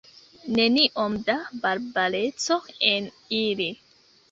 Neniom da barbareco en ili!